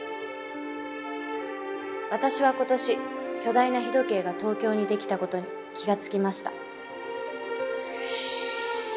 私は今年巨大な日時計が東京に出来た事に気が付きました。